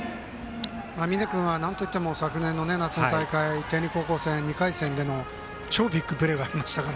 峯君は昨年の夏の大会天理高校戦で２回戦での超ビッグプレーがありました。